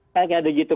kayaknya ada gitu